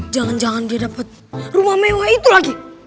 jangan jangan dia dapat rumah mewah itu lagi